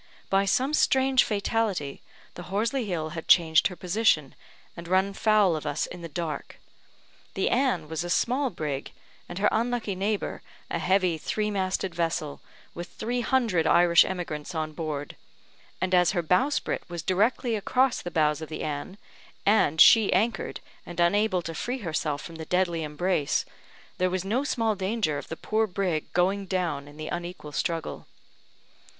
By some strange fatality, the Horsley Hill had changed her position, and run foul of us in the dark. The Anne was a small brig, and her unlucky neighbour a heavy three masted vessel, with three hundred Irish emigrants on board; and as her bowspirit was directly across the bows of the Anne, and she anchored, and unable to free herself from the deadly embrace, there was no small danger of the poor brig going down in the unequal struggle.